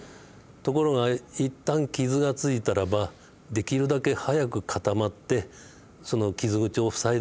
ところがいったん傷がついたらばできるだけ早く固まってその傷口を塞いでくれないと困る。